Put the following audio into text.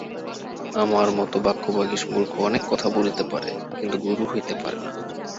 আমার মত বাক্যবাগীশ মূর্খ অনেক কথা বলিতে পারে, কিন্তু গুরু হইতে পারে না।